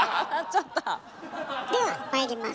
ではまいります。